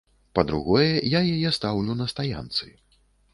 Па-другое, я яе стаўлю на стаянцы.